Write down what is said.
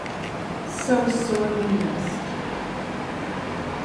So sorely missed.